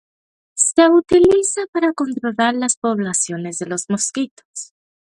Es utilizada para controlar las poblaciones de los mosquitos.